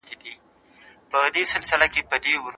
د میندو روغتیا ته باید پاملرنه وسي.